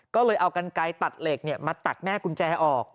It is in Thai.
ก็เลยเอากันไกลตัดเหล็กมาตัดแม่กุญแจออก